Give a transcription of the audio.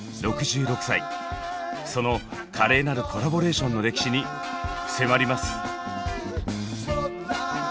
その華麗なるコラボレーションの歴史に迫ります。